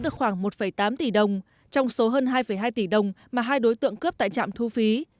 được khoảng một tám tỷ đồng trong số hơn hai hai tỷ đồng mà hai đối tượng cướp tại trạm thu phí